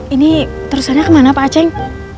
ini terusannya kemana pak aceng